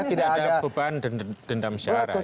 tidak ada beban dendam syarat